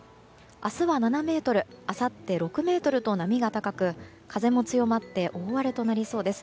明日は７ｍ、あさって６ｍと波が高く風も強まって大荒れとなりそうです。